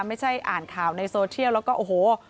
ไม่ใช่อ่านข่าวในโซเชียลแล้วก็โอ้โห